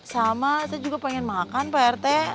sama saya juga pengen makan pak rete